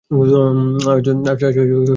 আজ উনাকে দেখেছ?